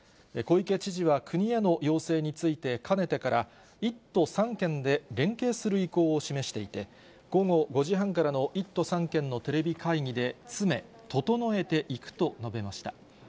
小池知事は国への要請について、かねてから、１都３県で連携する意向を示していて、午後５時半からの１都３県のテレビ会議で詰め、整えていくと述べました。